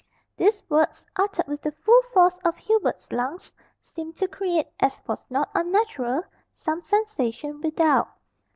These words, uttered with the full force of Hubert's lungs, seemed to create, as was not unnatural, some sensation without.